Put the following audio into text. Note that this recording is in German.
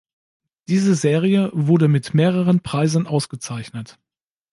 Diese Serie wurde mit mehreren Preisen ausgezeichnet.